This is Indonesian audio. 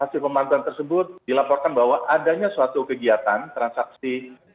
dan hasil pemanfaatan tersebut dilaporkan bahwa adanya suatu kegiatan transaksi